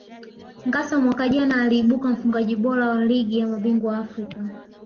Ngassa mwaka jana aliibuka mfungaji bora wa Ligi ya mabingwa Afrika